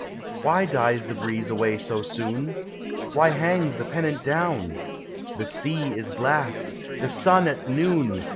Why dies the breeze away so soon? Why hangs the pennant down? The sea is glass; the sun at noon.